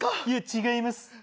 いや違います。